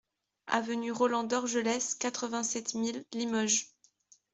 Avenue Roland Dorgelès, quatre-vingt-sept mille Limoges